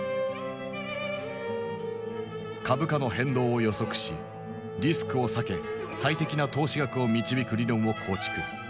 株価の変動を予測しリスクを避け最適な投資額を導く理論を構築。